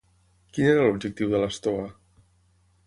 Quin era l'objectiu de l'estoa?